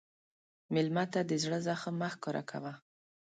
مېلمه ته د زړه زخم مه ښکاره کوه.